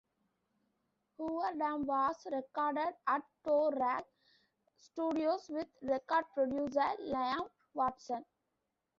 "Hooverdam" was recorded at Toe Rag Studios with record producer, Liam Watson.